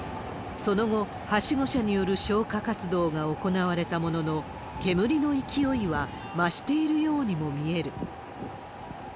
その後、はしご車による消火活動が行われたものの、煙の勢いは増しているようにも見える。